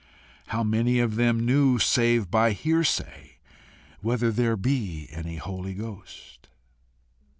How many of them knew save by hearsay whether there be any Holy Ghost!